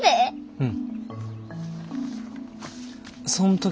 うん。